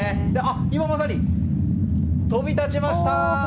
今まさに飛び立ちました！